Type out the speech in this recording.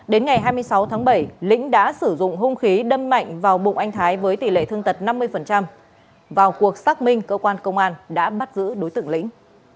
đến ngày hai mươi sáu tháng bảy lĩnh đã sử dụng hung khí đâm mạnh vào bụng anh thái với tỷ lệ thương tật năm mươi vào cuộc xác minh cơ quan công an đã bắt giữ đối tượng lĩnh